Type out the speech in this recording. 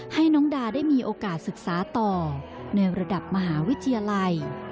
ให้น้องดาได้มีโอกาสศึกษาต่อในระดับมหาวิทยาลัย